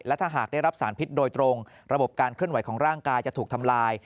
และถ้าหากได้รับสารพิษโดยตรงระบบการเคลื่อนไหวของร่างกายจะถูกทำลาย